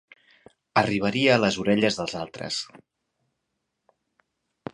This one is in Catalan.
Arribaria a les orelles dels altres.